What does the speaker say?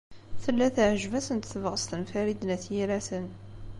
Tella teɛjeb-asent tebɣest n Farid n At Yiraten.